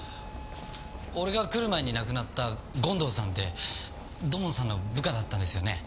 俺が来る前に亡くなった権藤さんって土門さんの部下だったんですよね？